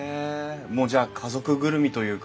もうじゃあ家族ぐるみというか。